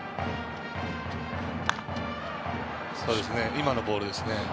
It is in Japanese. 今のボールですね。